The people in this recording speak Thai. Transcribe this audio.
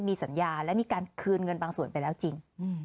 มีสัญญาและมีการคืนเงินบางส่วนไปแล้วจริง